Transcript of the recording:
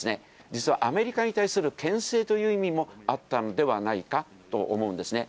実は、アメリカに対するけん制という意味もあったのではないかと思うんですね。